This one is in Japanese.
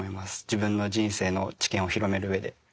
自分の人生の知見を広めるうえで。